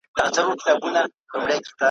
تخت سفر به انارګل او نارنج ګل ته یوسو `